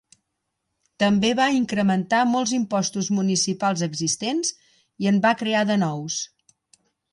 També va incrementar molts impostos municipals existents i en va crear de nous.